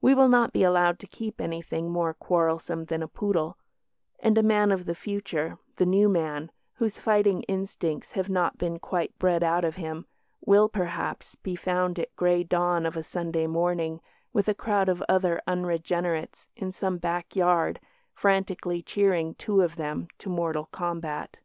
We will not be allowed to keep anything more quarrelsome than a poodle and a man of the future, the New Man, whose fighting instincts have not been quite bred out of him, will, perhaps, be found at grey dawn of a Sunday morning with a crowd of other unregenerates in some backyard frantically cheering two of them to mortal combat.